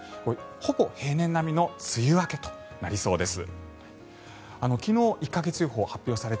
ほぼ平年並みの梅雨明けとなりそうです。